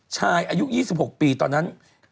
อายุ๒๖ปีตอนนั้น